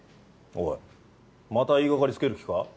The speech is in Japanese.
おいまた言いがかりつける気か？